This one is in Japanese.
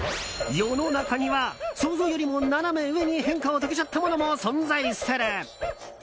世の中には想像よりもナナメ上に変化を遂げちゃったものも存在する。